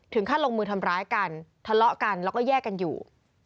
ขั้นลงมือทำร้ายกันทะเลาะกันแล้วก็แยกกันอยู่